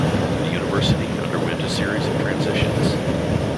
The university underwent a series of transitions.